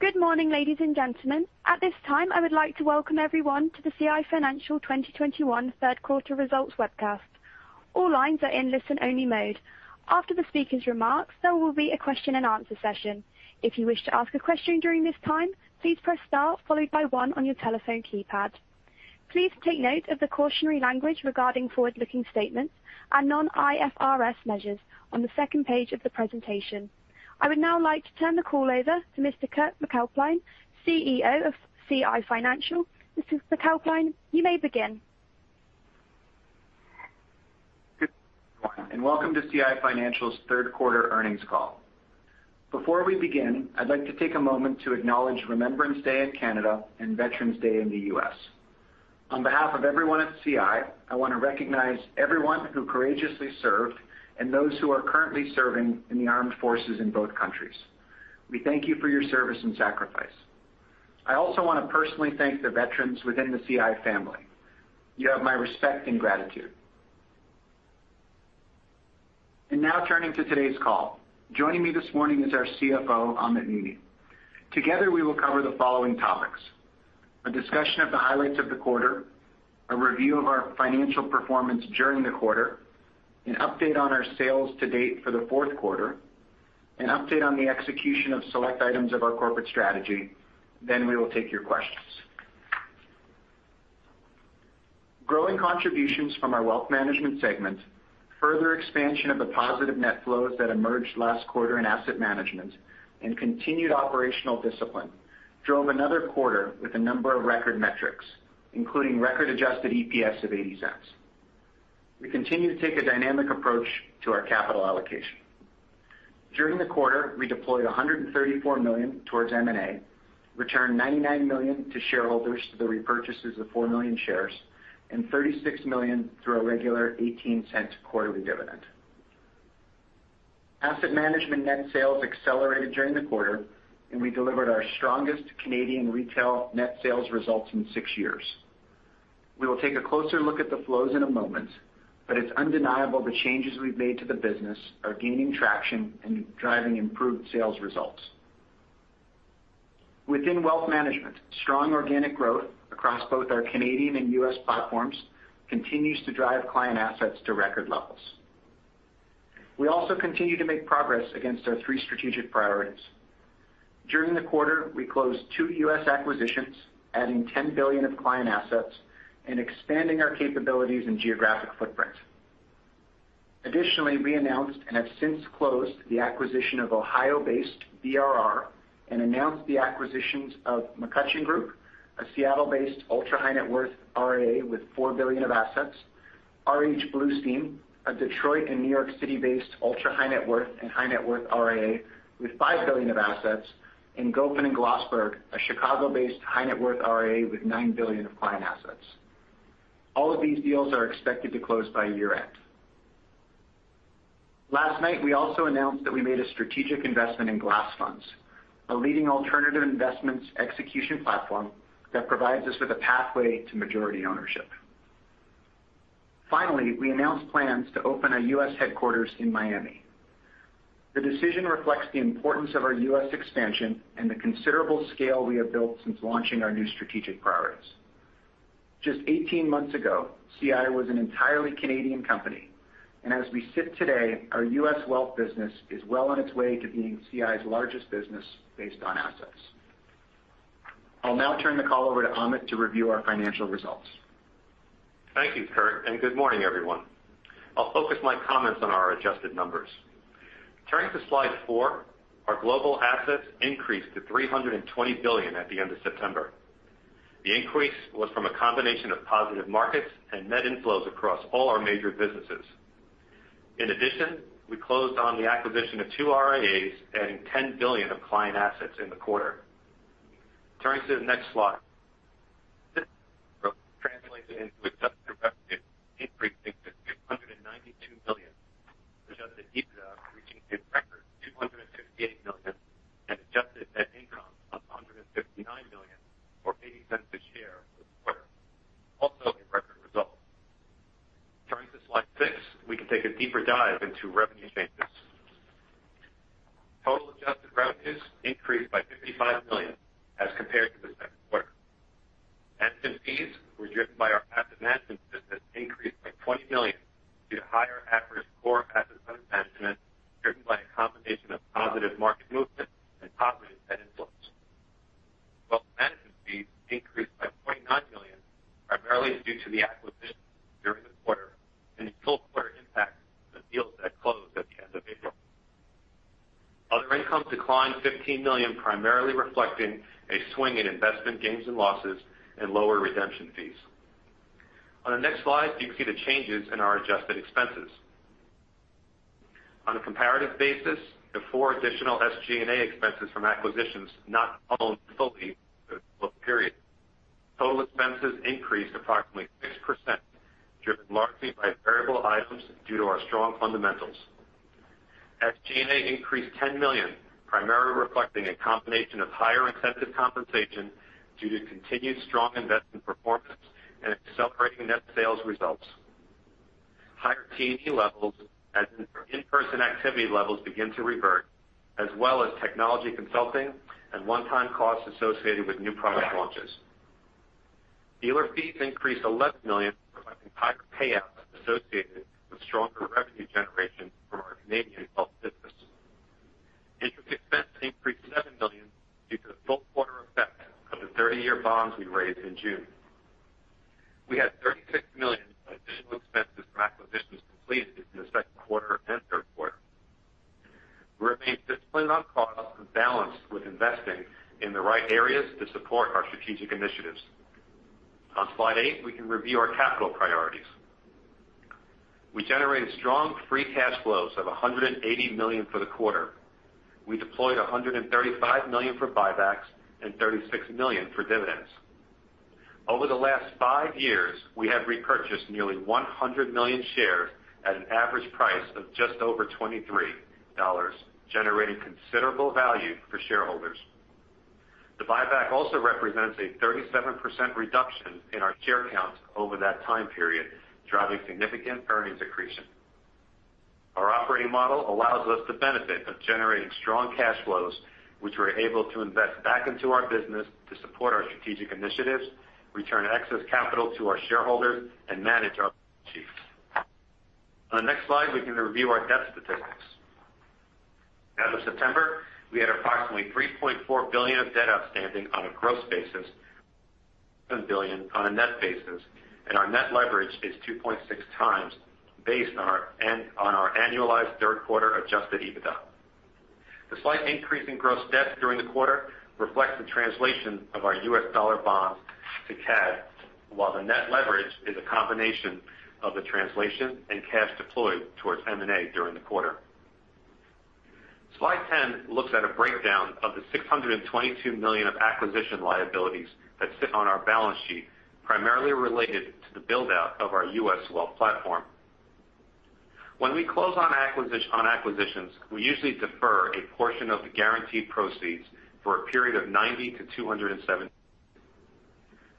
Good morning, ladies and gentlemen. At this time, I would like to welcome everyone to the CI Financial 2021 third quarter results webcast. All lines are in listen-only mode. After the speaker's remarks, there will be a question-and-answer session. If you wish to ask a question during this time, please press star followed by one on your telephone keypad. Please take note of the cautionary language regarding forward-looking statements and non-IFRS measures on the second page of the presentation. I would now like to turn the call over to Mr. Kurt MacAlpine, CEO of CI Financial. Mr. MacAlpine, you may begin. Good morning, and welcome to CI Financial's third quarter earnings call. Before we begin, I'd like to take a moment to acknowledge Remembrance Day in Canada and Veterans Day in the U.S. On behalf of everyone at CI, I want to recognize everyone who courageously served and those who are currently serving in the armed forces in both countries. We thank you for your service and sacrifice. I also want to personally thank the veterans within the CI family. You have my respect and gratitude. Now turning to today's call. Joining me this morning is our CFO, Amit Muni. Together, we will cover the following topics, a discussion of the highlights of the quarter, a review of our financial performance during the quarter, an update on our sales to date for the fourth quarter, an update on the execution of select items of our corporate strategy. We will take your questions. Growing contributions from our wealth management segment, further expansion of the positive net flows that emerged last quarter in asset management, and continued operational discipline drove another quarter with a number of record metrics, including record adjusted EPS of 0.80. We continue to take a dynamic approach to our capital allocation. During the quarter, we deployed 134 million towards M&A, returned 99 million to shareholders through the repurchases of 4 million shares, and 36 million through our regular 0.18 quarterly dividend. Asset management net sales accelerated during the quarter, and we delivered our strongest Canadian retail net sales results in six years. We will take a closer look at the flows in a moment, but it's undeniable the changes we've made to the business are gaining traction and driving improved sales results. Within wealth management, strong organic growth across both our Canadian and U.S. platforms continues to drive client assets to record levels. We also continue to make progress against our three strategic priorities. During the quarter, we closed two U.S. acquisitions, adding $10 billion of client assets and expanding our capabilities and geographic footprint. Additionally, we announced and have since closed the acquisition of Ohio-based BRR and announced the acquisitions of McCutchen Group, a Seattle-based ultra-high net worth RIA with $4 billion of assets, R.H. Bluestein, a Detroit and New York City-based ultra-high net worth and high net worth RIA with $5 billion of assets, and Gofen and Glossberg, a Chicago-based high net worth RIA with $9 billion of client assets. All of these deals are expected to close by year-end. Last night, we also announced that we made a strategic investment in Glass Funds, a leading alternative investments execution platform that provides us with a pathway to majority ownership. Finally, we announced plans to open our U.S. headquarters in Miami. The decision reflects the importance of our U.S. expansion and the considerable scale we have built since launching our new strategic priorities. Just 18 months ago, CI was an entirely Canadian company, and as we sit today, our U.S. wealth business is well on its way to being CI's largest business based on assets. I'll now turn the call over to Amit to review our financial results. Thank you, Kurt, and good morning, everyone. I'll focus my comments on our adjusted numbers. Turning to slide four, our global assets increased to 320 billion at the end of September. The increase was from a combination of positive markets and net inflows across all our major businesses. In addition, we closed on the acquisition of two RIAs, adding 10 billion of client assets in the quarter. Turning to the next slide. This translates into adjusted revenue increasing to CAD 692 million, adjusted EBITDA reaching a record CAD 258 million, and adjusted net income of CAD 159 million or 0.80 a share for the quarter. Also a record result. Turning to slide six, we can take a deeper dive into revenue changes. Total adjusted revenues increased by 55 million as compared to the second quarter. Asset fees were driven by our asset management business, increased by 20 million due to higher average core assets under management, driven by a combination of positive market movement and positive net inflows. Wealth management fees increased by CAD 0.9 million, primarily due to the acquisitions during the quarter and the full quarter impact of the deals that closed at the end of April. Other income declined 15 million, primarily reflecting a swing in investment gains and losses and lower redemption fees. On the next slide, you can see the changes in our adjusted expenses. On a comparative basis, the four additional SG&A expenses from acquisitions not owned fully for the full period. Total expenses increased approximately 6%, driven largely by variable items due to our strong fundamentals. SG&A increased 10 million, primarily reflecting a combination of higher incentive compensation due to continued strong investment performance and accelerating net sales results, higher T&E levels as in-person activity levels begin to revert, as well as technology consulting and one-time costs associated with new product launches. Dealer fees increased 11 million, reflecting higher payouts associated with stronger revenue generation from our Canadian wealth business. Interest expense increased 7 million due to the full quarter effect of the 30-year bonds we raised in June. We had 36 million of additional expenses from acquisitions completed in the second quarter and third quarter. We remain disciplined on costs and balanced with investing in the right areas to support our strategic initiatives. On slide eight, we can review our capital priorities. We generated strong free cash flows of 180 million for the quarter. We deployed 135 million for buybacks and 36 million for dividends. Over the last five years, we have repurchased nearly 100 million shares at an average price of just over 23 dollars, generating considerable value for shareholders. The buyback also represents a 37% reduction in our share count over that time period, driving significant earnings accretion. Our operating model allows us the benefit of generating strong cash flows, which we're able to invest back into our business to support our strategic initiatives, return excess capital to our shareholders, and manage our balance sheet. On the next slide, we can review our debt statistics. As of September, we had approximately 3.4 billion of debt outstanding on a gross basis, 7 billion on a net basis, and our net leverage is 2.6x based on our annualized third quarter adjusted EBITDA. The slight increase in gross debt during the quarter reflects the translation of our US dollar bonds to CAD, while the net leverage is a combination of the translation and cash deployed towards M&A during the quarter. Slide 10 looks at a breakdown of the 622 million of acquisition liabilities that sit on our balance sheet, primarily related to the build-out of our U.S. Wealth platform. When we close on acquisitions, we usually defer a portion of the guaranteed proceeds for a period of 90-270.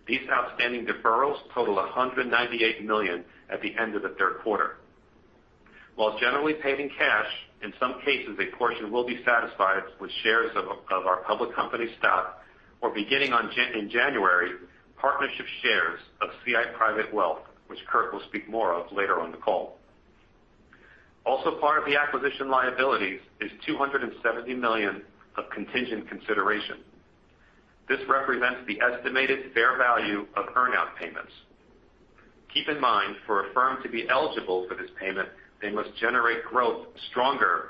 These outstanding deferrals total 198 million at the end of the third quarter. While generally paid in cash, in some cases, a portion will be satisfied with shares of our public company stock or beginning in January, partnership shares of CI Private Wealth, which Kurt will speak more of later on the call. Also part of the acquisition liabilities is 270 million of contingent consideration. This represents the estimated fair value of earn-out payments. Keep in mind, for a firm to be eligible for this payment, they must generate growth stronger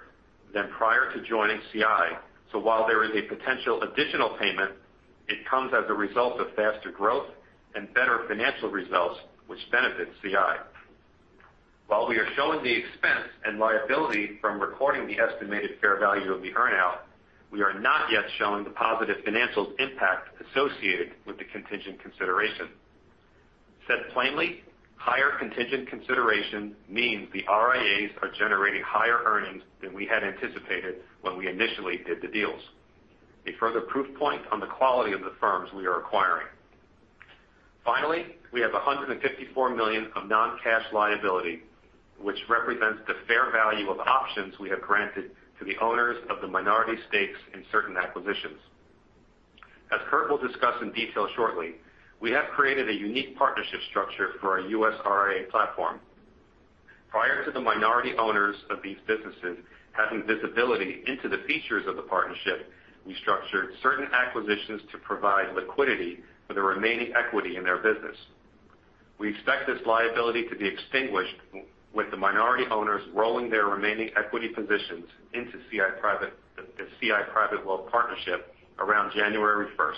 than prior to joining CI. While there is a potential additional payment, it comes as a result of faster growth and better financial results, which benefit CI. While we are showing the expense and liability from recording the estimated fair value of the earn-out, we are not yet showing the positive financial impact associated with the contingent consideration. Said plainly, higher contingent consideration means the RIAs are generating higher earnings than we had anticipated when we initially did the deals. A further proof point on the quality of the firms we are acquiring. Finally, we have 154 million of non-cash liability, which represents the fair value of options we have granted to the owners of the minority stakes in certain acquisitions. As Kurt will discuss in detail shortly, we have created a unique partnership structure for our U.S. RIA platform. Prior to the minority owners of these businesses having visibility into the features of the partnership, we structured certain acquisitions to provide liquidity for the remaining equity in their business. We expect this liability to be extinguished with the minority owners rolling their remaining equity positions into the CI Private Wealth Partnership around January 1st.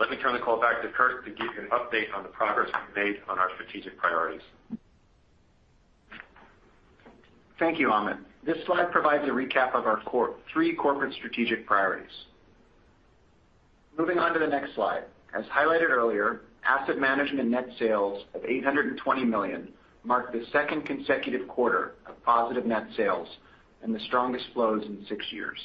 Let me turn the call back to Kurt to give you an update on the progress we've made on our strategic priorities. Thank you, Amit. This slide provides a recap of our three corporate strategic priorities. Moving on to the next slide. As highlighted earlier, asset management net sales of 820 million marked the second consecutive quarter of positive net sales and the strongest flows in six years.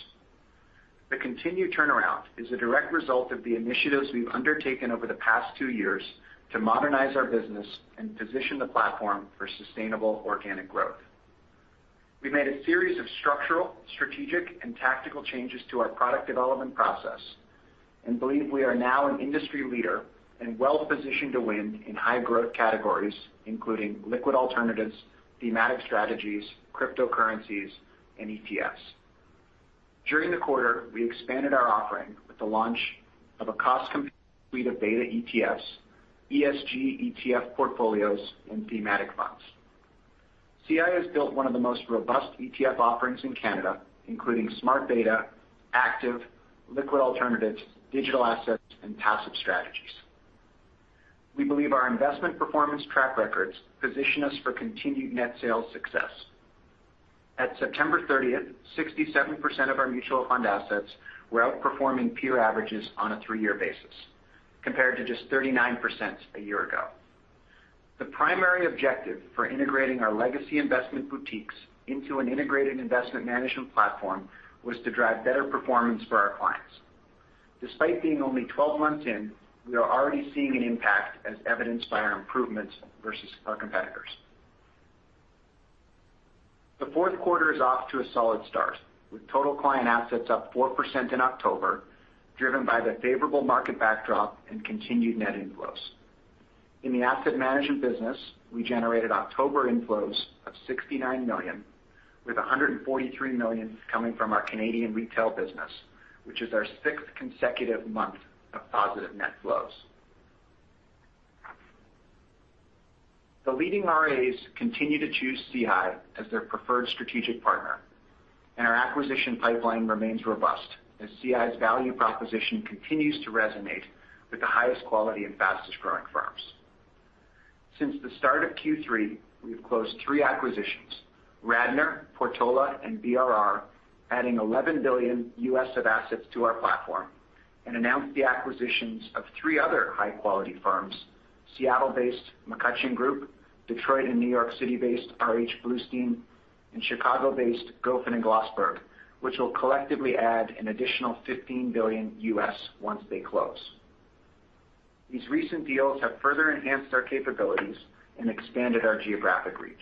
The continued turnaround is a direct result of the initiatives we've undertaken over the past two years to modernize our business and position the platform for sustainable organic growth. We made a series of structural, strategic, and tactical changes to our product development process and believe we are now an industry leader and well-positioned to win in high growth categories, including liquid alternatives, thematic strategies, cryptocurrencies, and ETFs. During the quarter, we expanded our offering with the launch of a cost-competitive suite of beta ETFs, ESG ETF portfolios, and thematic funds. CI has built one of the most robust ETF offerings in Canada, including smart beta, active, liquid alternatives, digital assets, and passive strategies. We believe our investment performance track records position us for continued net sales success. At September 30th, 67% of our mutual fund assets were outperforming peer averages on a three-year basis, compared to just 39% a year ago. The primary objective for integrating our legacy investment boutiques into an integrated investment management platform was to drive better performance for our clients. Despite being only 12 months in, we are already seeing an impact as evidenced by our improvements versus our competitors. The fourth quarter is off to a solid start, with total client assets up 4% in October, driven by the favorable market backdrop and continued net inflows. In the asset management business, we generated October inflows of 69 million, with 143 million coming from our Canadian retail business, which is our sixth consecutive month of positive net flows. The leading RIAs continue to choose CI as their preferred strategic partner, and our acquisition pipeline remains robust as CI's value proposition continues to resonate with the highest quality and fastest-growing firms. Since the start of Q3, we've closed three acquisitions, Radnor, Portola, and BRR, adding $11 billion of assets to our platform, and announced the acquisitions of three other high-quality firms, Seattle-based McCutchen Group, Detroit and New York City-based R.H. Bluestein, and Chicago-based Gofen and Glossberg, which will collectively add an additional $15 billion once they close. These recent deals have further enhanced our capabilities and expanded our geographic reach.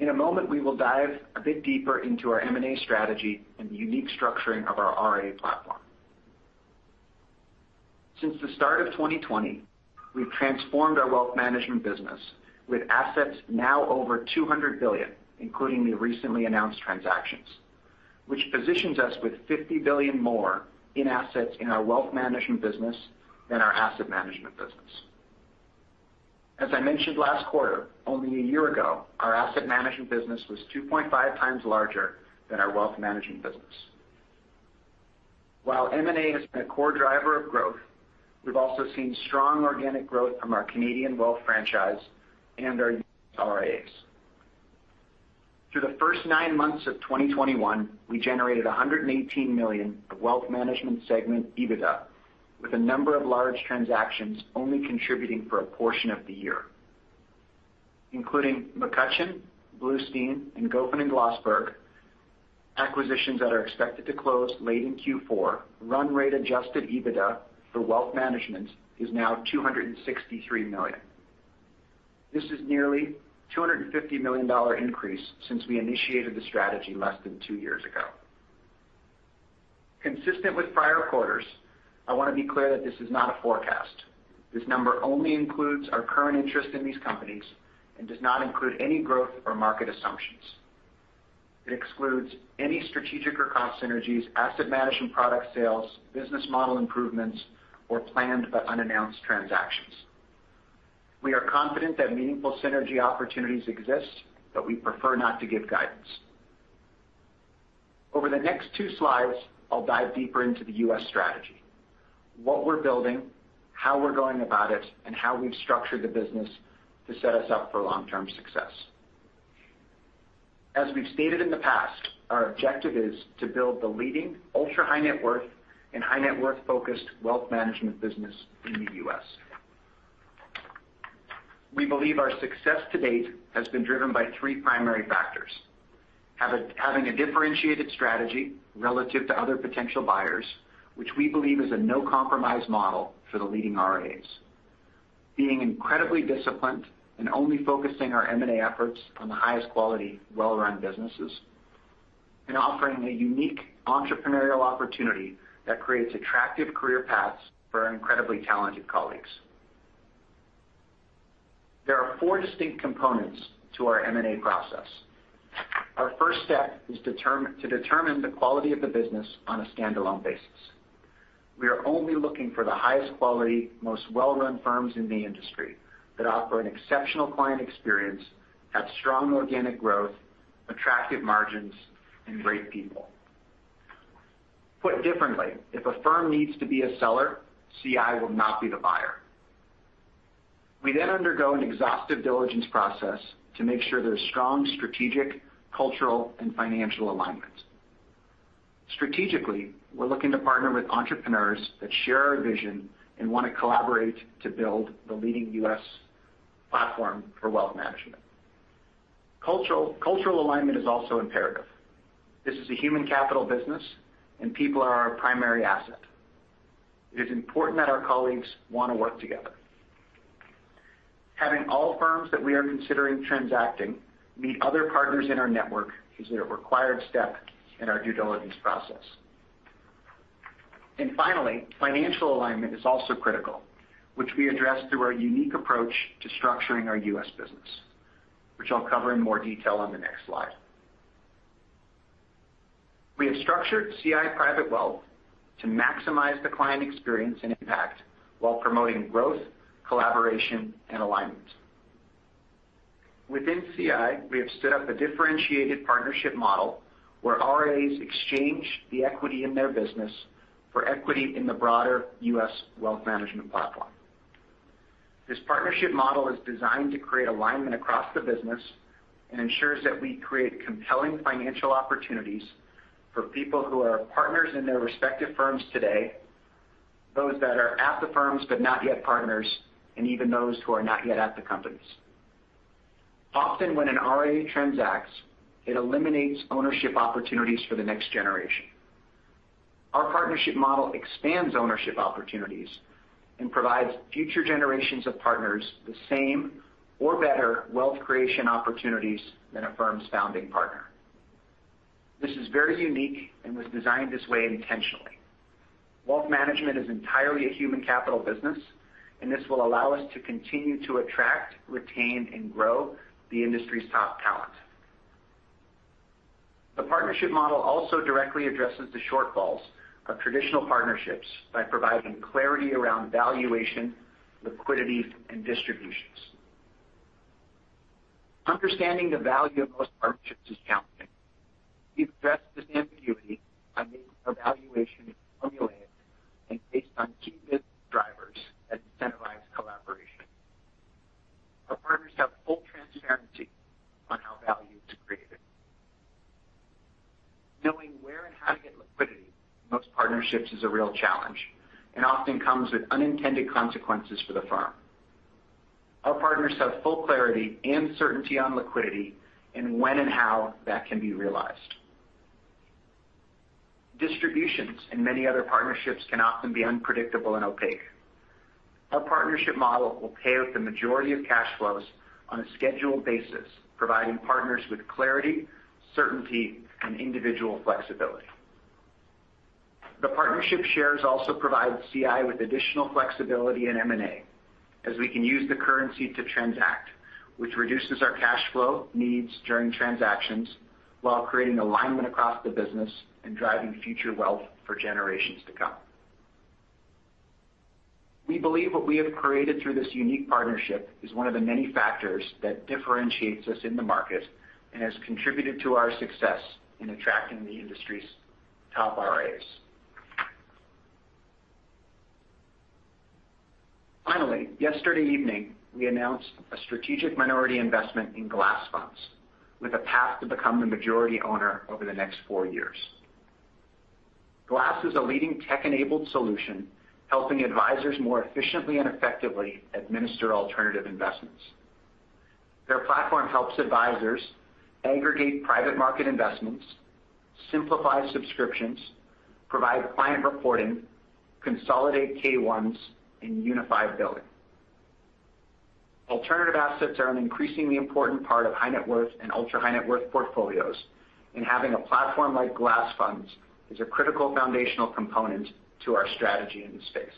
In a moment, we will dive a bit deeper into our M&A strategy and the unique structuring of our RIA platform. Since the start of 2020, we've transformed our wealth management business with assets now over 200 billion, including the recently announced transactions, which positions us with 50 billion more in assets in our wealth management business than our asset management business. As I mentioned last quarter, only a year ago, our asset management business was 2.5x larger than our wealth management business. While M&A has been a core driver of growth, we've also seen strong organic growth from our Canadian wealth franchise and our RIAs. Through the first nine months of 2021, we generated 118 million of wealth management segment EBITDA, with a number of large transactions only contributing for a portion of the year. Including McCutchen, Bluestein, and Gofen and Glossberg, acquisitions that are expected to close late in Q4, run rate adjusted EBITDA for wealth management is now 263 million. This is nearly 250 million dollar increase since we initiated the strategy less than two years ago. Consistent with prior quarters, I want to be clear that this is not a forecast. This number only includes our current interest in these companies and does not include any growth or market assumptions. It excludes any strategic or cost synergies, asset management product sales, business model improvements, or planned but unannounced transactions. We are confident that meaningful synergy opportunities exist, but we prefer not to give guidance. Over the next two slides, I'll dive deeper into the U.S. strategy, what we're building, how we're going about it, and how we've structured the business to set us up for long-term success. As we've stated in the past, our objective is to build the leading ultra-high net worth and high net worth-focused wealth management business in the U.S. We believe our success to date has been driven by three primary factors. Having a differentiated strategy relative to other potential buyers, which we believe is a no-compromise model for the leading RIAs. Being incredibly disciplined and only focusing our M&A efforts on the highest quality well-run businesses. Offering a unique entrepreneurial opportunity that creates attractive career paths for our incredibly talented colleagues. There are four distinct components to our M&A process. Our first step is to determine the quality of the business on a standalone basis. We are only looking for the highest quality, most well-run firms in the industry that offer an exceptional client experience, have strong organic growth, attractive margins, and great people. Put differently, if a firm needs to be a seller, CI will not be the buyer. We then undergo an exhaustive diligence process to make sure there's strong strategic, cultural, and financial alignment. Strategically, we're looking to partner with entrepreneurs that share our vision and want to collaborate to build the leading U.S. platform for wealth management. Cultural alignment is also imperative. This is a human capital business and people are our primary asset. It is important that our colleagues want to work together. Having all firms that we are considering transacting meet other partners in our network is a required step in our due diligence process. Finally, financial alignment is also critical, which we address through our unique approach to structuring our U.S. business, which I'll cover in more detail on the next slide. We have structured CI Private Wealth to maximize the client experience and impact while promoting growth, collaboration, and alignment. Within CI, we have stood up a differentiated partnership model where RIAs exchange the equity in their business for equity in the broader U.S. Wealth Management platform. This partnership model is designed to create alignment across the business and ensures that we create compelling financial opportunities for people who are partners in their respective firms today, those that are at the firms but not yet partners, and even those who are not yet at the companies. Often when an RIA transacts, it eliminates ownership opportunities for the next generation. Our partnership model expands ownership opportunities and provides future generations of partners the same or better wealth creation opportunities than a firm's founding partner. This is very unique and was designed this way intentionally. Wealth management is entirely a human capital business, and this will allow us to continue to attract, retain, and grow the industry's top talent. The partnership model also directly addresses the shortfalls of traditional partnerships by providing clarity around valuation, liquidity, and distributions. Understanding the value of most partnerships is challenging. We've addressed this ambiguity by making valuation formulas based on key EBIT drivers that incentivize collaboration. Our partners have full transparency on how value is created. Knowing where and how to get liquidity in most partnerships is a real challenge, and often comes with unintended consequences for the firm. Our partners have full clarity and certainty on liquidity and when and how that can be realized. Distributions in many other partnerships can often be unpredictable and opaque. Our partnership model will pay out the majority of cash flows on a scheduled basis, providing partners with clarity, certainty, and individual flexibility. The partnership shares also provide CI with additional flexibility in M&A, as we can use the currency to transact, which reduces our cash flow needs during transactions while creating alignment across the business and driving future wealth for generations to come. We believe what we have created through this unique partnership is one of the many factors that differentiates us in the market and has contributed to our success in attracting the industry's top RIAs. Finally, yesterday evening, we announced a strategic minority investment in Glass Funds with a path to become the majority owner over the next four years. Glass is a leading tech-enabled solution, helping advisors more efficiently and effectively administer alternative investments. Their platform helps advisors aggregate private market investments, simplify subscriptions, provide client reporting, consolidate K-1s, and unify billing. Alternative assets are an increasingly important part of high net worth and ultra high net worth portfolios, and having a platform like Glass Funds is a critical foundational component to our strategy in the space.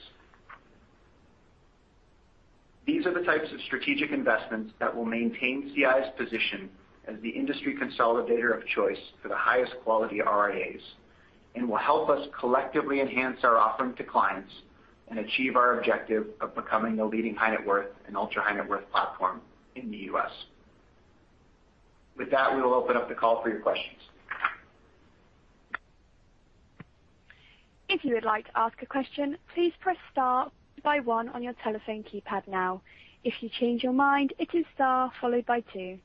These are the types of strategic investments that will maintain CI's position as the industry consolidator of choice for the highest quality RIAs and will help us collectively enhance our offering to clients and achieve our objective of becoming the leading high net worth and ultra high net worth platform in the U.S. With that, we will open up the call for your questions. If you would like to ask a question, please press star one on your telephone keypad now. If you change your mind, it is star followed by two.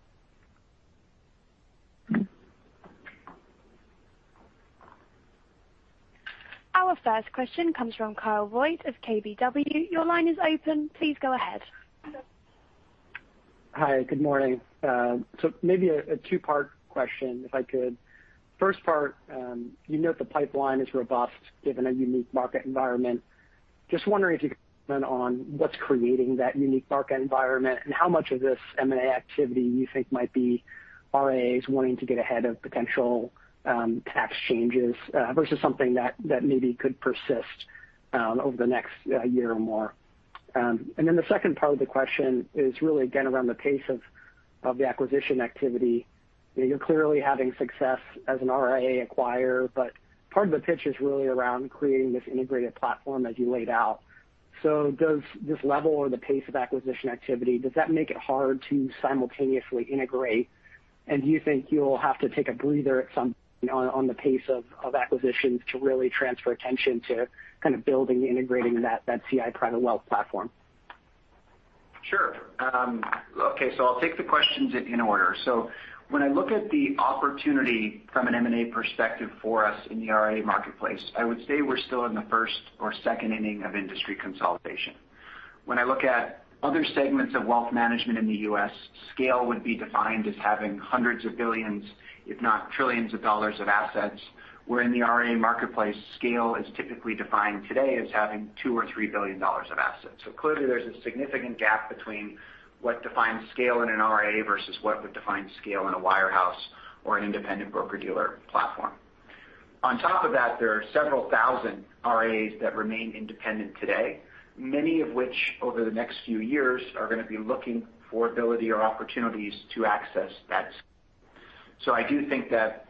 Our first question comes from Kyle Voigt of KBW. Your line is open. Please go ahead. Hi. Good morning. So maybe a two-part question, if I could. First part, you note the pipeline is robust given a unique market environment. Just wondering if you could comment on what's creating that unique market environment and how much of this M&A activity you think might be RIAs wanting to get ahead of potential tax changes versus something that maybe could persist over the next year or more. The second part of the question is really again around the pace of the acquisition activity. You know, you're clearly having success as an RIA acquirer, but part of the pitch is really around creating this integrated platform as you laid out. Does this level or the pace of acquisition activity make it hard to simultaneously integrate? Do you think you'll have to take a breather at some point on the pace of acquisitions to really transfer attention to kind of building, integrating that CI Private Wealth platform? Sure. Okay, I'll take the questions in order. When I look at the opportunity from an M&A perspective for us in the RIA marketplace, I would say we're still in the first or second inning of industry consolidation. When I look at other segments of wealth management in the U.S., scale would be defined as having hundreds of billions, if not trillions, of dollars of assets, where in the RIA marketplace, scale is typically defined today as having $2 or $3 billion of assets. Clearly there's a significant gap between what defines scale in an RIA versus what would define scale in a wirehouse or an independent broker-dealer platform. On top of that, there are several thousand RIAs that remain independent today, many of which over the next few years are gonna be looking for ability or opportunities to access that scale. I do think that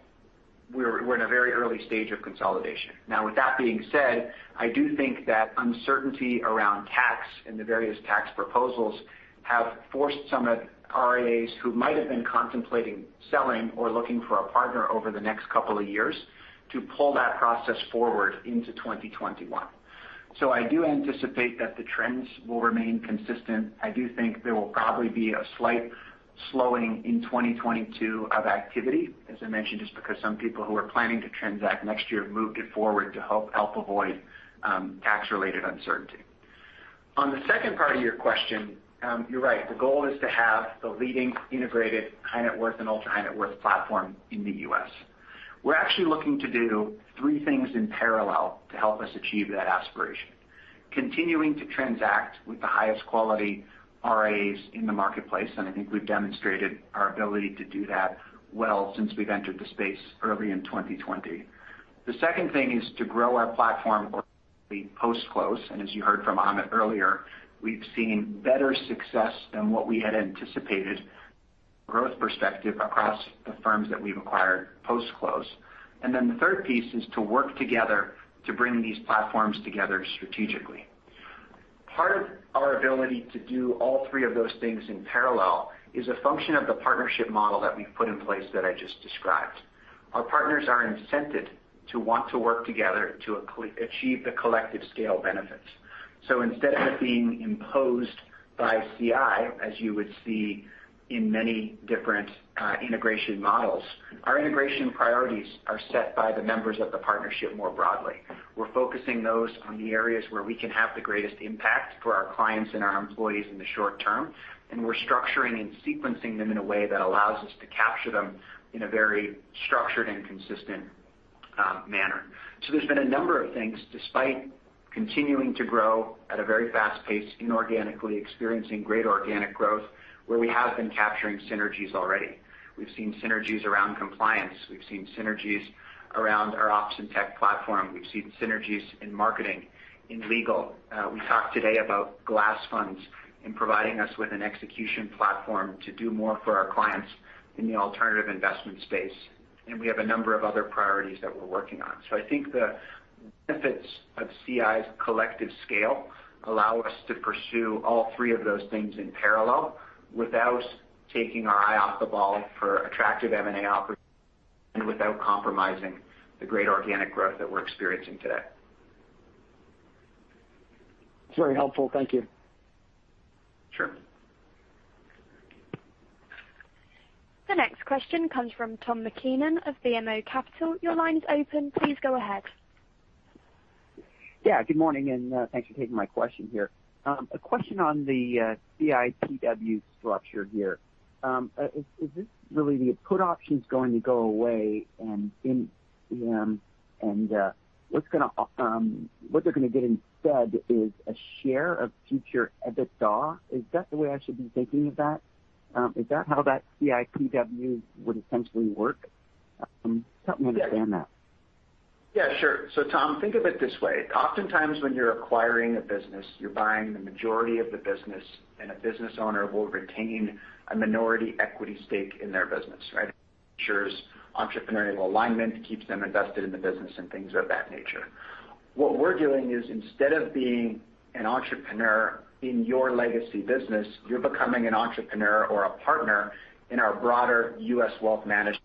we're in a very early stage of consolidation. Now, with that being said, I do think that uncertainty around tax and the various tax proposals have forced some RIAs who might have been contemplating selling or looking for a partner over the next couple of years to pull that process forward into 2021. I do anticipate that the trends will remain consistent. I do think there will probably be a slight slowing in 2022 of activity, as I mentioned, just because some people who are planning to transact next year moved it forward to help avoid tax-related uncertainty. On the second part of your question, you're right. The goal is to have the leading integrated high net worth and ultra high net worth platform in the U.S. We're actually looking to do three things in parallel to help us achieve that aspiration, continuing to transact with the highest quality RIAs in the marketplace, and I think we've demonstrated our ability to do that well since we've entered the space early in 2020. The second thing is to grow our platform organically post-close. As you heard from Amit earlier, we've seen better success than what we had anticipated growth perspective across the firms that we've acquired post-close. The third piece is to work together to bring these platforms together strategically. Part of our ability to do all three of those things in parallel is a function of the partnership model that we've put in place that I just described. Our partners are incented to want to work together to achieve the collective scale benefits. Instead of it being imposed by CI, as you would see in many different integration models, our integration priorities are set by the members of the partnership more broadly. We're focusing those on the areas where we can have the greatest impact for our clients and our employees in the short term, and we're structuring and sequencing them in a way that allows us to capture them in a very structured and consistent manner. There's been a number of things, despite continuing to grow at a very fast pace inorganically, experiencing great organic growth, where we have been capturing synergies already. We've seen synergies around compliance. We've seen synergies around our ops and tech platform. We've seen synergies in marketing, in legal. We talked today about Glass Funds and providing us with an execution platform to do more for our clients in the alternative investment space. We have a number of other priorities that we're working on. I think the benefits of CI's collective scale allow us to pursue all three of those things in parallel without taking our eye off the ball for attractive M&A opportunities and without compromising the great organic growth that we're experiencing today. Very helpful. Thank you. Sure. The next question comes from Tom MacKinnon of BMO Capital. Your line is open. Please go ahead. Yeah, good morning, and thanks for taking my question here. A question on the CIPW structure here. Is this really the put option's going to go away and what they're gonna get instead is a share of future EBITDA? Is that the way I should be thinking of that? Is that how that CIPW would essentially work? Help me understand that. Yeah, sure. Tom, think of it this way. Oftentimes, when you're acquiring a business, you're buying the majority of the business, and a business owner will retain a minority equity stake in their business, right? Ensures entrepreneurial alignment, keeps them invested in the business and things of that nature. What we're doing is, instead of being an entrepreneur in your legacy business, you're becoming an entrepreneur or a partner in our broader U.S. Wealth Management.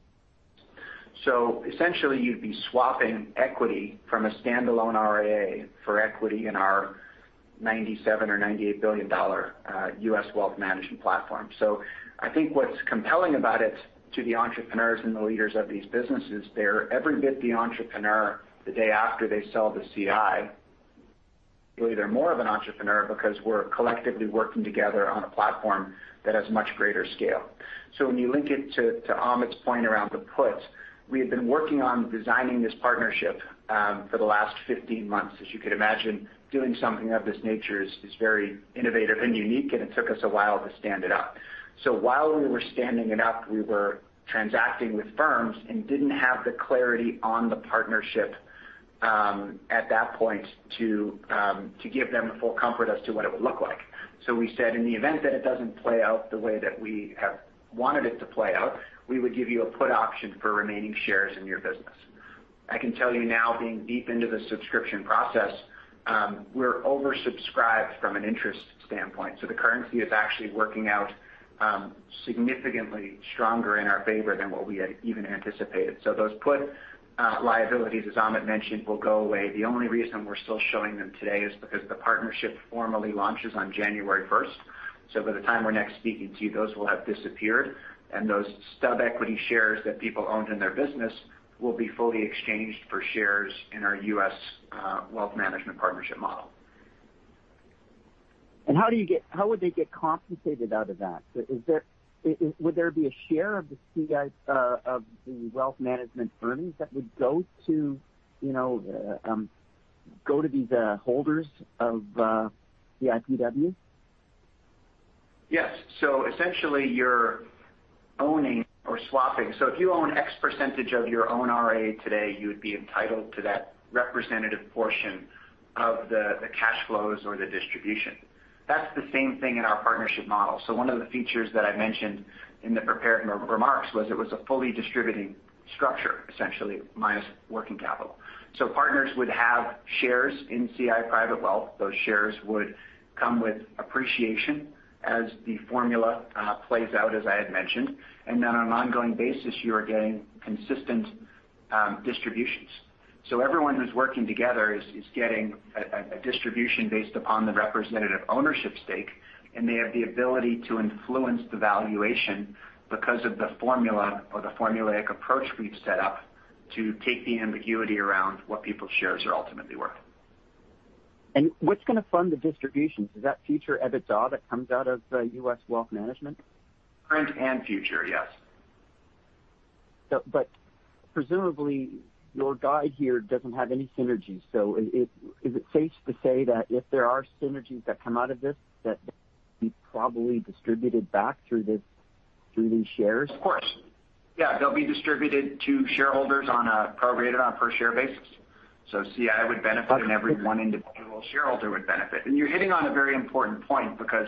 Essentially, you'd be swapping equity from a standalone RIA for equity in our $97 billion or $98 billion U.S. Wealth Management platform. I think what's compelling about it to the entrepreneurs and the leaders of these businesses, they're every bit the entrepreneur the day after they sell to CI. Really, they're more of an entrepreneur because we're collectively working together on a platform that has much greater scale. When you link it to Amit's point around the puts, we have been working on designing this partnership for the last 15 months. As you could imagine, doing something of this nature is very innovative and unique, and it took us a while to stand it up. While we were standing it up, we were transacting with firms and didn't have the clarity on the partnership at that point to give them full comfort as to what it would look like. We said in the event that it doesn't play out the way that we have wanted it to play out, we would give you a put option for remaining shares in your business. I can tell you now, being deep into the subscription process, we're oversubscribed from an interest standpoint. The currency is actually working out significantly stronger in our favor than what we had even anticipated. Those put liabilities, as Amit mentioned, will go away. The only reason we're still showing them today is because the partnership formally launches on January 1st. By the time we're next speaking to you, those will have disappeared, and those stub equity shares that people owned in their business will be fully exchanged for shares in our U.S. Wealth Management partnership model. How would they get compensated out of that? Would there be a share of the CI of the wealth management earnings that would go to, you know, go to these holders of CIPW? Yes. Essentially, you're owning or swapping. If you own X percentage of your own RIA today, you would be entitled to that representative portion of the cash flows or the distribution. That's the same thing in our partnership model. One of the features that I mentioned in the prepared remarks was a fully distributing structure, essentially minus working capital. Partners would have shares in CI Private Wealth. Those shares would come with appreciation as the formula plays out, as I had mentioned. On an ongoing basis, you are getting consistent distributions. Everyone who's working together is getting a distribution based upon the representative ownership stake, and they have the ability to influence the valuation because of the formula or the formulaic approach we've set up to take the ambiguity around what people's shares are ultimately worth. What's gonna fund the distributions? Is that future EBITDA that comes out of U.S. Wealth Management? Current and future, yes. Presumably, your guide here doesn't have any synergies. Is it safe to say that if there are synergies that come out of this, that they'll be probably distributed back through this, through these shares? Of course. Yeah, they'll be distributed to shareholders on a prorated, on a per share basis. CI would benefit, and every one individual shareholder would benefit. You're hitting on a very important point because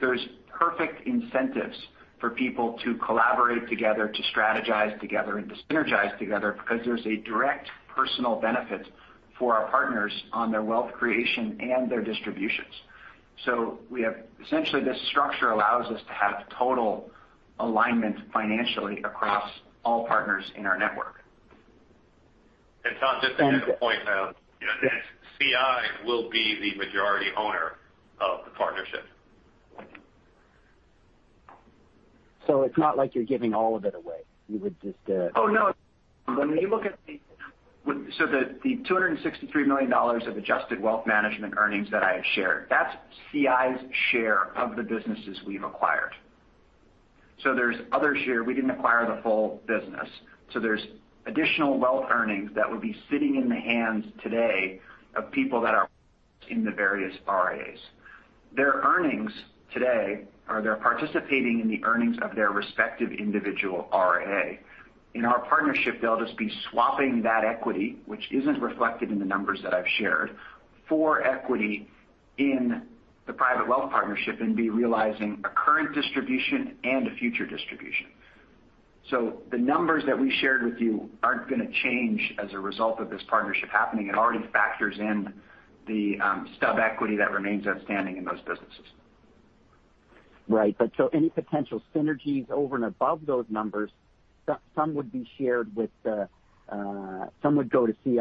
there's perfect incentives for people to collaborate together, to strategize together, and to synergize together because there's a direct personal benefit for our partners on their wealth creation and their distributions. Essentially, this structure allows us to have total alignment financially across all partners in our network. Tom, just to add a point on. Yes. CI will be the majority owner of the partnership. It's not like you're giving all of it away. You would just, Oh, no. When you look at the $263 million of adjusted wealth management earnings that I had shared, that's CI's share of the businesses we've acquired. There's other share. We didn't acquire the full business. There's additional wealth earnings that would be sitting in the hands today of people that are in the various RIAs. Their earnings today they're participating in the earnings of their respective individual RIA. In our partnership, they'll just be swapping that equity, which isn't reflected in the numbers that I've shared, for equity in the private wealth partnership and be realizing a current distribution and a future distribution. The numbers that we shared with you aren't gonna change as a result of this partnership happening. It already factors in the stub equity that remains outstanding in those businesses. Any potential synergies over and above those numbers, some would be shared with the, some would go to CI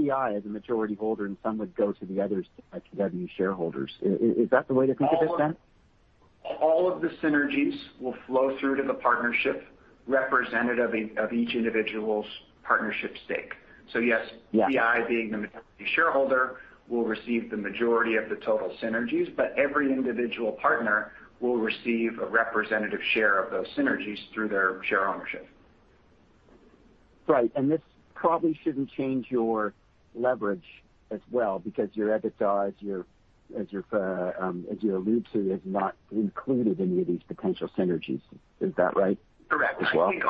as a majority holder, and some would go to the other CIPW shareholders. Is that the way to think of it then? All of the synergies will flow through to the partnership representative of each individual's partnership stake. Yes. Yes. CI, being the majority shareholder, will receive the majority of the total synergies, but every individual partner will receive a representative share of those synergies through their share ownership. Right. This probably shouldn't change your leverage as well because your EBITDA, as you allude to, has not included any of these potential synergies. Is that right as well? Correct.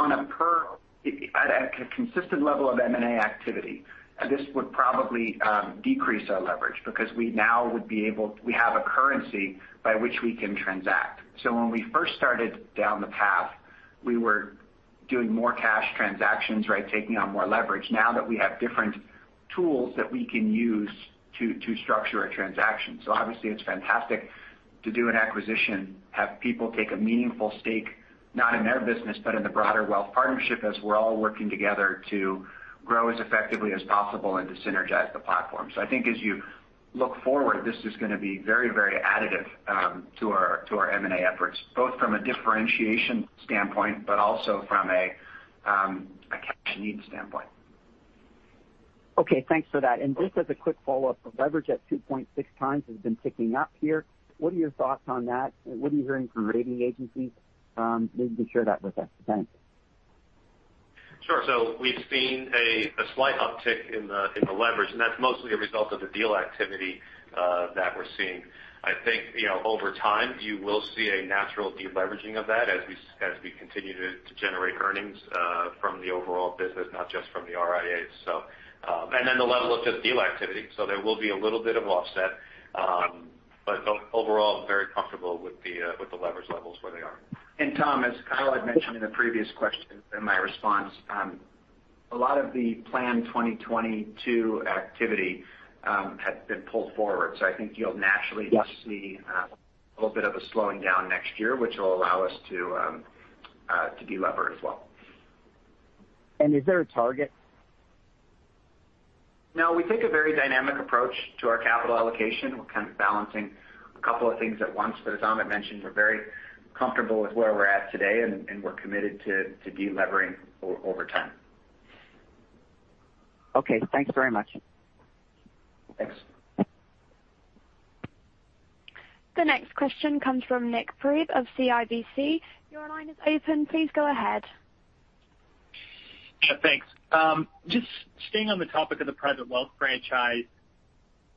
I think at a consistent level of M&A activity, this would probably decrease our leverage because we now have a currency by which we can transact. When we first started down the path, we were doing more cash transactions, right, taking on more leverage. Now that we have different tools that we can use to structure a transaction. Obviously it's fantastic to do an acquisition, have people take a meaningful stake, not in their business, but in the broader wealth partnership as we're all working together to grow as effectively as possible and to synergize the platform. I think as you look forward, this is gonna be very, very additive to our M&A efforts, both from a differentiation standpoint, but also from a cash need standpoint. Okay, thanks for that. Just as a quick follow-up, the leverage at 2.6x has been ticking up here. What are your thoughts on that? What are you hearing from rating agencies? Maybe you can share that with us. Thanks. Sure. We've seen a slight uptick in the leverage, and that's mostly a result of the deal activity that we're seeing. I think, you know, over time, you will see a natural de-leveraging of that as we continue to generate earnings from the overall business, not just from the RIAs. Then the level of just deal activity. There will be a little bit of offset. But overall, very comfortable with the leverage levels where they are. Tom, as Kyle had mentioned in a previous question in my response, a lot of the planned 2022 activity had been pulled forward. I think you'll naturally see a little bit of a slowing down next year, which will allow us to delever as well. Is there a target? No. We take a very dynamic approach to our capital allocation. We're kind of balancing a couple of things at once. As Amit mentioned, we're very comfortable with where we're at today, and we're committed to delevering over time. Okay. Thanks very much. Thanks. The next question comes from Nik Priebe of CIBC. Your line is open. Please go ahead. Yeah, thanks. Just staying on the topic of the private wealth franchise,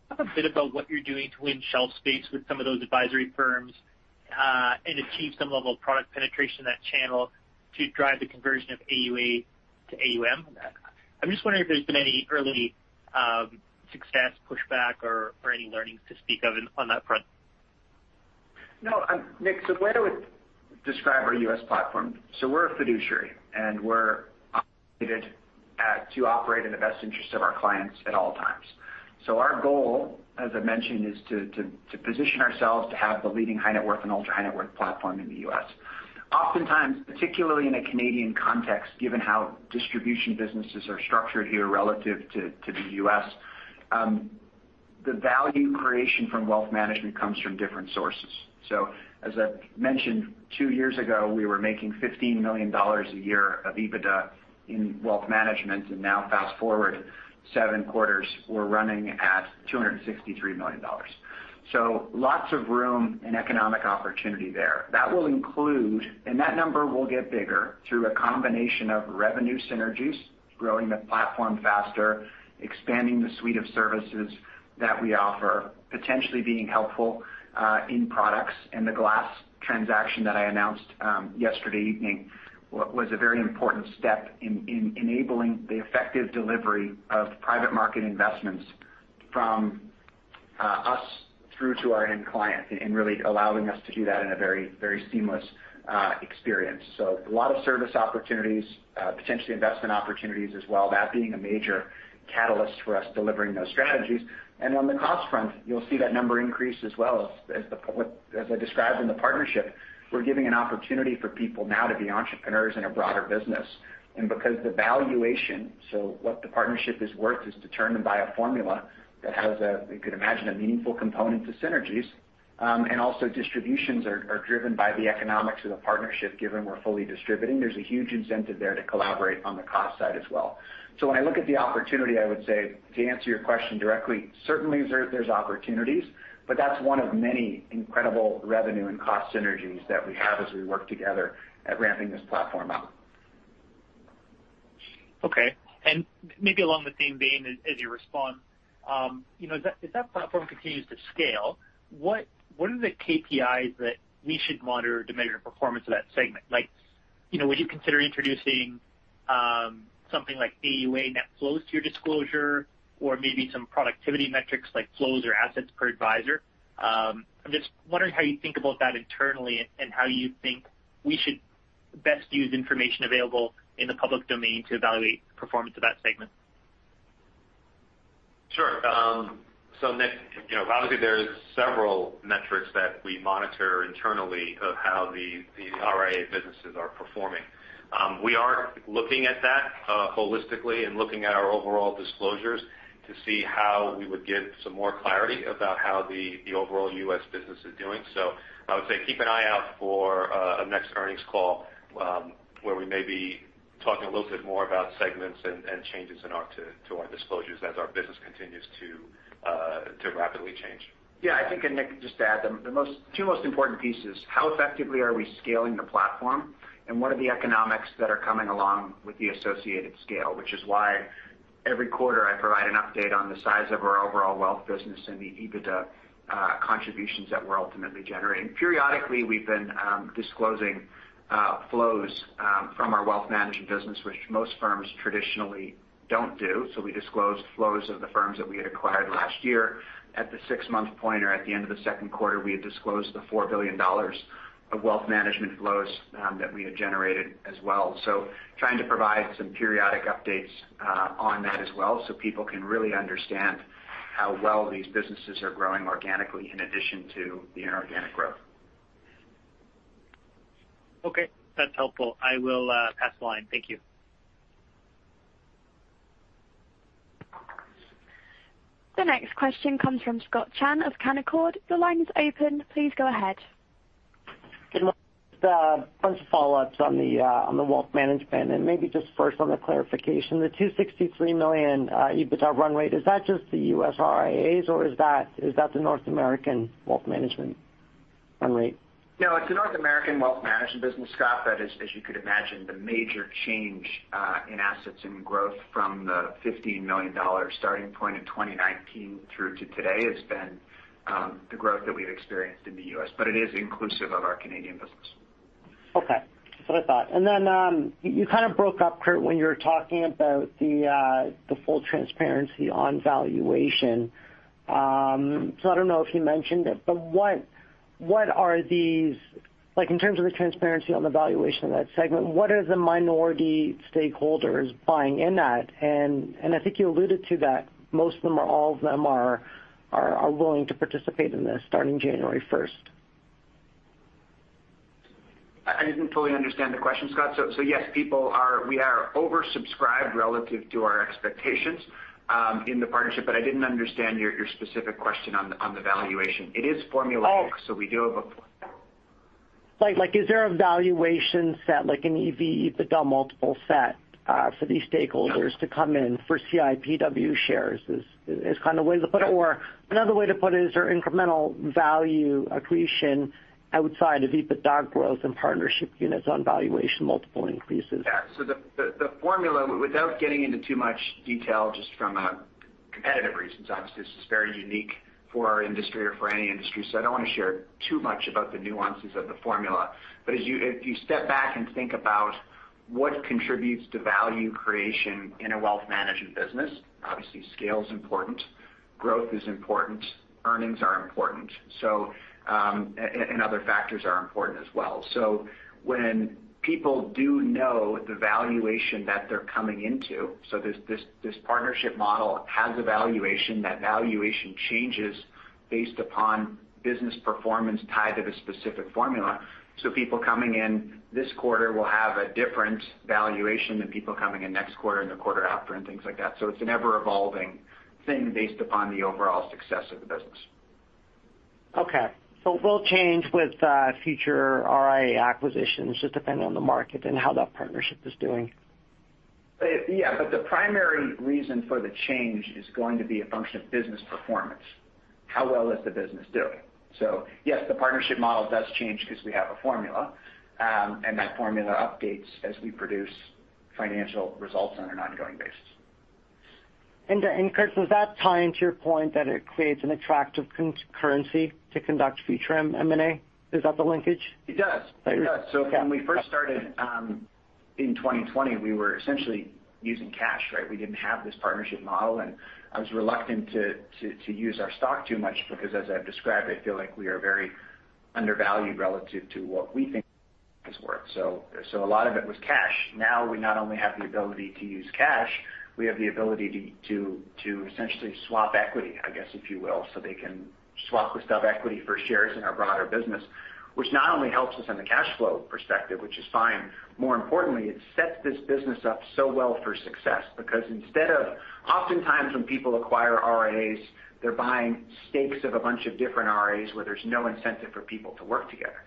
talk a bit about what you're doing to win shelf space with some of those advisory firms, and achieve some level of product penetration in that channel to drive the conversion of AUA to AUM. I'm just wondering if there's been any early success, pushback or any learnings to speak of on that front. No, Nik, the way I would describe our U.S. platform, we're a fiduciary, and we're obligated to operate in the best interest of our clients at all times. Our goal, as I mentioned, is to position ourselves to have the leading high net worth and ultra high net worth platform in the U.S. Oftentimes, particularly in a Canadian context, given how distribution businesses are structured here relative to the U.S., the value creation from wealth management comes from different sources. As I mentioned, two years ago, we were making $15 million a year of EBITDA in wealth management, and now fast-forward seven quarters, we're running at $263 million. Lots of room and economic opportunity there. That will include and that number will get bigger through a combination of revenue synergies, growing the platform faster, expanding the suite of services that we offer, potentially being helpful in products. The Glass Funds transaction that I announced yesterday evening was a very important step in enabling the effective delivery of private market investments from us through to our end client and really allowing us to do that in a very, very seamless experience. A lot of service opportunities, potentially investment opportunities as well, that being a major catalyst for us delivering those strategies. On the cost front, you'll see that number increase as well. As I described in the partnership, we're giving an opportunity for people now to be entrepreneurs in a broader business. Because the valuation, so what the partnership is worth is determined by a formula that has a, you could imagine, a meaningful component to synergies, and also distributions are driven by the economics of the partnership, given we're fully distributing. There's a huge incentive there to collaborate on the cost side as well. When I look at the opportunity, I would say, to answer your question directly, certainly there's opportunities, but that's one of many incredible revenue and cost synergies that we have as we work together at ramping this platform up. Okay. Maybe along the same vein as you respond, you know, if that platform continues to scale, what are the KPIs that we should monitor to measure performance of that segment? Like, you know, would you consider introducing something like AUA net flows to your disclosure or maybe some productivity metrics like flows or assets per advisor? I'm just wondering how you think about that internally and how you think we should best use information available in the public domain to evaluate performance of that segment. Sure. Nik, you know, obviously there are several metrics that we monitor internally of how the RIA businesses are performing. We are looking at that holistically and looking at our overall disclosures to see how we would give some more clarity about how the overall U.S. business is doing. I would say keep an eye out for a next earnings call where we may be talking a little bit more about segments and changes to our disclosures as our business continues to rapidly change. Yeah, I think, and Nik, just to add, the two most important pieces, how effectively are we scaling the platform and what are the economics that are coming along with the associated scale, which is why every quarter I provide an update on the size of our overall wealth business and the EBITDA contributions that we're ultimately generating. Periodically, we've been disclosing flows from our wealth management business, which most firms traditionally don't do. We disclosed flows of the firms that we had acquired last year. At the six-month point or at the end of the second quarter, we had disclosed the 4 billion dollars of wealth management flows that we had generated as well. Trying to provide some periodic updates on that as well so people can really understand how well these businesses are growing organically in addition to the inorganic growth. Okay. That's helpful. I will pass the line. Thank you. The next question comes from Scott Chan of Canaccord. Your line is open. Please go ahead. Good morning. Just a bunch of follow-ups on the wealth management, and maybe just first on the clarification. The 263 million EBITDA run rate, is that just the U.S. RIAs or is that the North American wealth management run rate? No, it's the North American wealth management business, Scott, but as you could imagine, the major change in assets and growth from the $15 million starting point in 2019 through to today has been the growth that we've experienced in the U.S., but it is inclusive of our Canadian business. Okay. That's what I thought. Then you kind of broke up, Kurt, when you were talking about the full transparency on valuation. So I don't know if you mentioned it, but what are these like in terms of the transparency on the valuation of that segment, what are the minority stakeholders buying in that? I think you alluded to that most of them or all of them are willing to participate in this starting January 1st. I didn't fully understand the question, Scott. Yes, we are oversubscribed relative to our expectations in the partnership, but I didn't understand your specific question on the valuation. It is formulaic, so we do have a- Like, is there a valuation set, like an EV/EBITDA multiple set, for these stakeholders to come in for CIPW shares, is kind of a way to put it? Another way to put it, is there incremental value accretion outside of EBITDA growth and partnership units on valuation multiple increases? Yeah. The formula, without getting into too much detail just for competitive reasons, obviously, this is very unique for our industry or for any industry, so I don't want to share too much about the nuances of the formula. If you step back and think about what contributes to value creation in a wealth management business, obviously scale is important, growth is important, earnings are important. Other factors are important as well. When people do know the valuation that they're coming into, this partnership model has a valuation. That valuation changes based upon business performance tied to the specific formula. People coming in this quarter will have a different valuation than people coming in next quarter and the quarter after and things like that. It's an ever-evolving thing based upon the overall success of the business. Okay. It will change with future RIA acquisitions, just depending on the market and how that partnership is doing. Yeah, the primary reason for the change is going to be a function of business performance. How well is the business doing? Yes, the partnership model does change because we have a formula, and that formula updates as we produce financial results on an ongoing basis. Kurt, does that tie into your point that it creates an attractive currency to conduct future M&A? Is that the linkage? It does. Right. It does. When we first started in 2020, we were essentially using cash, right? We didn't have this partnership model, and I was reluctant to use our stock too much because as I've described, I feel like we are very undervalued relative to what we think is worth. A lot of it was cash. Now we not only have the ability to use cash, we have the ability to essentially swap equity, I guess, if you will. They can swap a stub equity for shares in our broader business, which not only helps us in the cash flow perspective, which is fine. More importantly, it sets this business up so well for success because instead of oftentimes when people acquire RIAs, they're buying stakes of a bunch of different RIAs where there's no incentive for people to work together.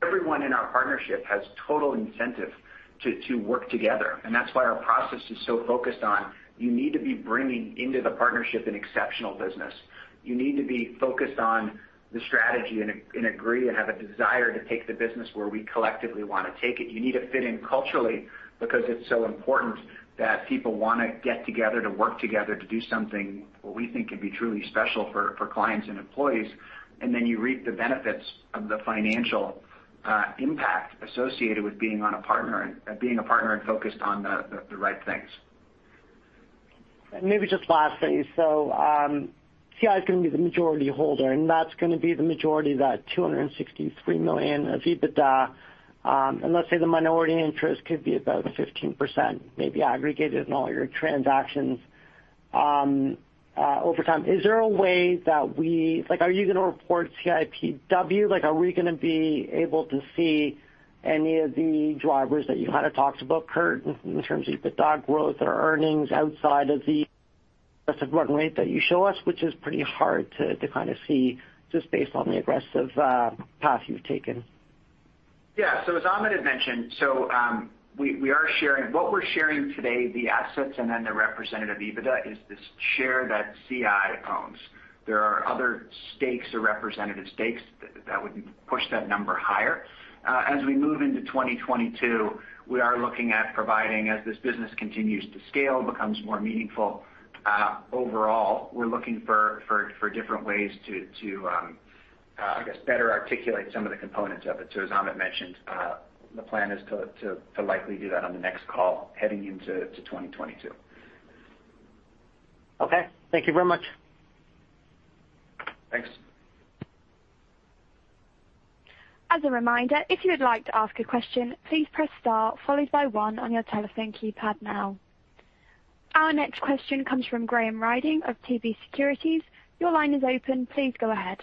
Everyone in our partnership has total incentive to work together, and that's why our process is so focused on you need to be bringing into the partnership an exceptional business. You need to be focused on the strategy and agree and have a desire to take the business where we collectively want to take it. You need to fit in culturally because it's so important that people wanna get together to work together to do something we think can be truly special for clients and employees. Then you reap the benefits of the financial impact associated with being a partner and focused on the right things. Maybe just lastly, CI is gonna be the majority holder, and that's gonna be the majority of that 263 million of EBITDA. And let's say the minority interest could be about 15%, maybe aggregated in all your transactions over time. Is there a way that we like, are you gonna report CIPW? Like, are we gonna be able to see any of the drivers that you kind of talked about, Kurt, in terms of EBITDA growth or earnings outside of the run rate that you show us, which is pretty hard to kind of see just based on the aggressive path you've taken? As Amit had mentioned, what we're sharing today, the assets and then the representative EBITDA is the share that CI owns. There are other stakes or representative stakes that would push that number higher. As we move into 2022, we are looking at providing, as this business continues to scale, becomes more meaningful, overall, we're looking for different ways to, I guess, better articulate some of the components of it. As Amit mentioned, the plan is to likely do that on the next call heading into 2022. Okay. Thank you very much. Thanks. As a reminder, if you would like to ask a question, please press star followed by one on your telephone keypad now. Our next question comes from Graham Ryding of TD Securities. Your line is open. Please go ahead.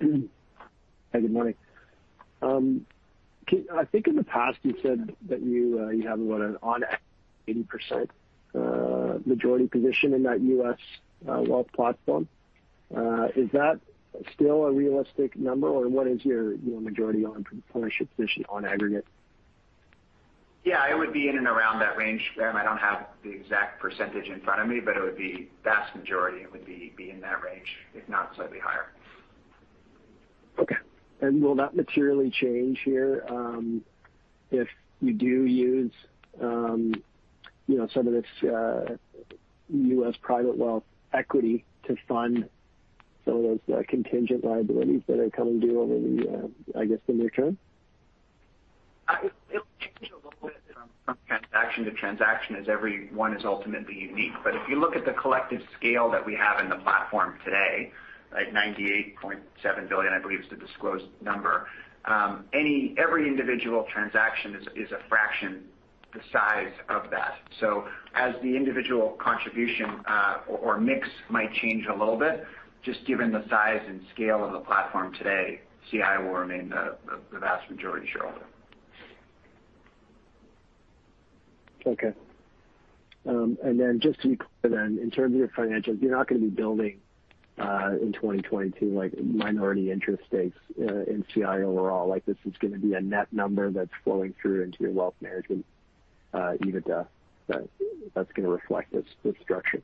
Hi, good morning. I think in the past you said that you have an 80% majority position in that U.S. wealth platform. Is that still a realistic number, or what is your majority ownership position on aggregate? Yeah, it would be in and around that range, Graham. I don't have the exact percentage in front of me, but it would be vast majority. It would be in that range, if not slightly higher. Okay. Will that materially change here, if you do use, you know, some of this U.S. private wealth equity to fund some of those contingent liabilities that are coming due over the, I guess, the near term? It will change a little bit from transaction to transaction as every one is ultimately unique. If you look at the collective scale that we have in the platform today, right, 98.7 billion, I believe, is the disclosed number. Every individual transaction is a fraction the size of that. As the individual contribution or mix might change a little bit, just given the size and scale of the platform today, CI will remain the vast majority shareholder. Okay. Just to be clear, in terms of your financials, you're not gonna be building in 2022, like minority interest stakes in CI overall. Like this is gonna be a net number that's flowing through into your wealth management EBITDA that's gonna reflect this structure.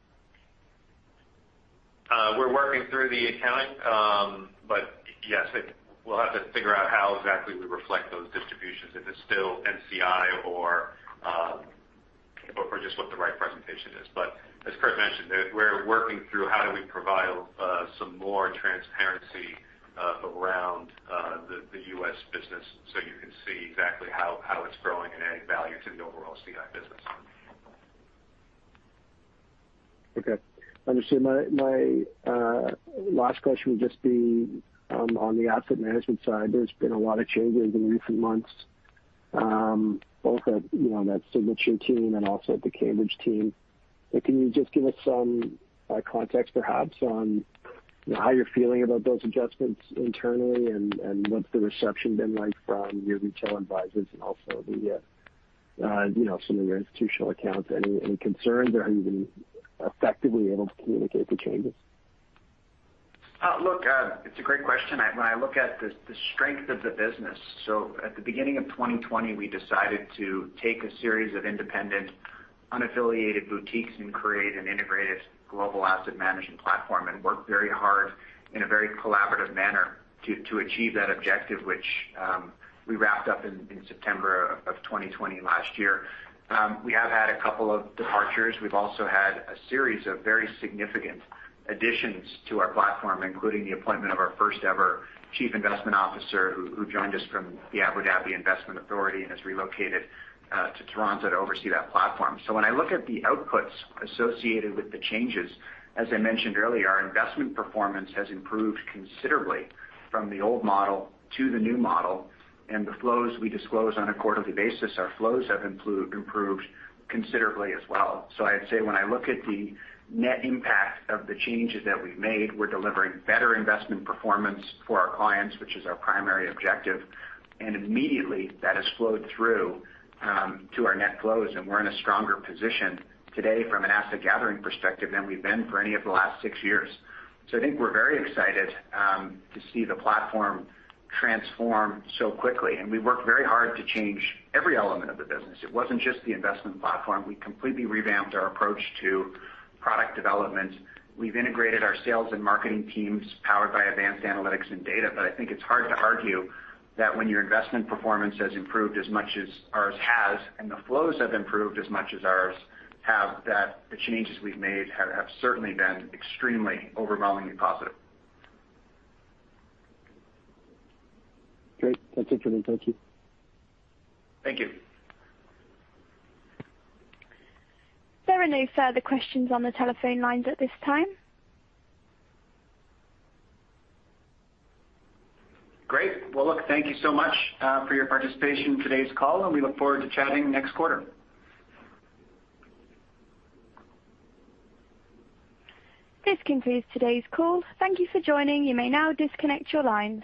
We're working through the accounting, but yes, we'll have to figure out how exactly we reflect those distributions, if it's still NCI or just what the right presentation is. As Kurt mentioned, we're working through how we provide some more transparency around the U.S. business, so you can see exactly how it's growing and adding value to the overall CI business. Okay. I understand. My last question would just be on the asset management side. There's been a lot of changes in recent months both at, you know, that Signature team and also at the Cambridge team. Can you just give us some context perhaps on how you're feeling about those adjustments internally and what's the reception been like from your retail advisors and also the, you know, some of your institutional accounts, any concerns? Are you effectively able to communicate the changes? It's a great question. When I look at the strength of the business. At the beginning of 2020, we decided to take a series of independent, unaffiliated boutiques and create an integrated global asset management platform and work very hard in a very collaborative manner to achieve that objective, which we wrapped up in September of 2020 last year. We have had a couple of departures. We've also had a series of very significant additions to our platform, including the appointment of our first ever chief investment officer, who joined us from the Abu Dhabi Investment Authority and has relocated to Toronto to oversee that platform. When I look at the outputs associated with the changes, as I mentioned earlier, our investment performance has improved considerably from the old model to the new model. The flows we disclose on a quarterly basis. Our flows have improved considerably as well. I'd say when I look at the net impact of the changes that we've made, we're delivering better investment performance for our clients, which is our primary objective. Immediately, that has flowed through to our net flows. We're in a stronger position today from an asset gathering perspective than we've been for any of the last six years. I think we're very excited to see the platform transform so quickly. We worked very hard to change every element of the business. It wasn't just the investment platform. We completely revamped our approach to product development. We've integrated our sales and marketing teams powered by advanced analytics and data. I think it's hard to argue that when your investment performance has improved as much as ours has and the flows have improved as much as ours have, that the changes we've made have certainly been extremely overwhelmingly positive. Great. That's it for me. Thank you. Thank you. There are no further questions on the telephone lines at this time. Great. Well, look, thank you so much for your participation in today's call, and we look forward to chatting next quarter. This concludes today's call. Thank you for joining. You may now disconnect your lines.